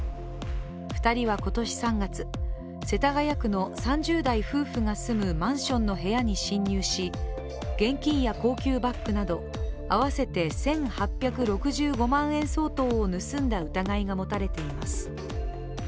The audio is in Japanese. ２人は今年３月、世田谷区の３０代夫婦が住むマンションの部屋に侵入し現金や高級バッグなど合わせて１８６５万円相当を盗んだ疑いが持たれています。